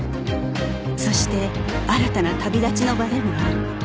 そして新たな旅立ちの場でもある